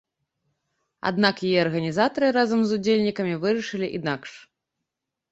Аднак яе арганізатары, разам з удзельнікамі вырашылі інакш.